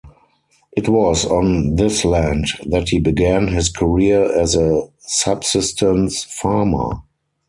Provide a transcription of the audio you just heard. It was on this land that he began his career as a subsistence farmer.